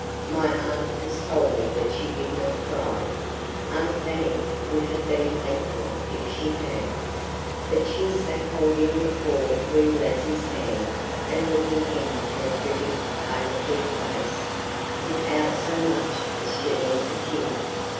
My aunt has told me that she did not cry; aunt Fanny would have been thankful if she had; but she sat holding the poor wee lassie's hand and looking in her pretty, pale, dead face, without so much as shedding a tear.